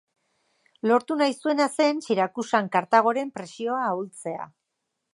Lortu nahi zuena zen Sirakusan Kartagoren presioa ahultzea.